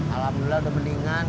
alhamdulillah udah mendingan